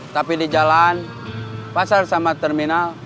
tapi di jalan pasar sama terminal